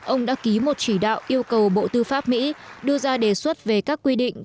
ông đã ký một chỉ đạo yêu cầu bộ tư pháp mỹ đưa ra đề xuất về các quy định